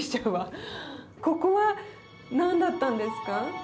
ここは何だったんですか？